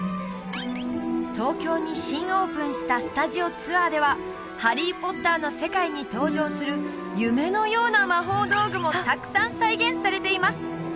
東京に新オープンしたスタジオツアーでは「ハリー・ポッター」の世界に登場する夢のような魔法道具もたくさん再現されています